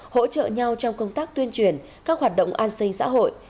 hỗ trợ nhau trong công tác tuyên truyền các hoạt động an sinh xã hội